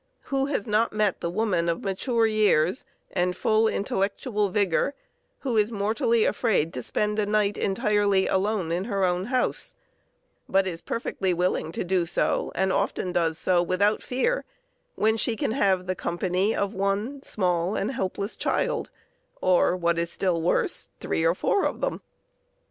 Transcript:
Who has not met the woman of mature years and full intellectual vigor who is mortally afraid to spend a night entirely alone in her own house, but is perfectly willing to do so, and often does do so without fear, when she can have the company of one small and helpless child, or, what is still worse, three or four of them!